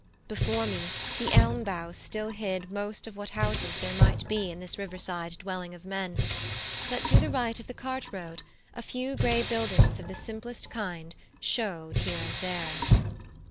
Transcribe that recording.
Before me, the elm boughs still hid most of what houses there might be in this river side dwelling of men; but to the right of the cart road a few grey buildings of the simplest kind showed here and there.